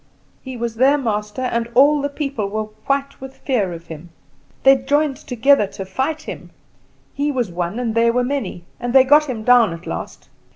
He was their master, and all the people were white with fear of him. They joined together to fight him. He was one and they were many, and they got him down at last.